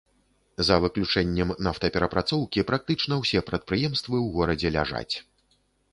За выключэннем нафтаперапрацоўкі, практычна ўсе прадпрыемствы ў горадзе ляжаць.